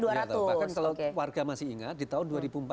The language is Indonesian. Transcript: atau bahkan kalau warga masih ingat di tahun dua ribu empat belas